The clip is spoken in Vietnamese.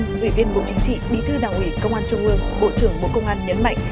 nguyên ủy viên bộ chính trị bí thư đảng ủy công an trung ương bộ trưởng bộ công an nhấn mạnh